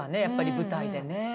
やっぱりね舞台でね。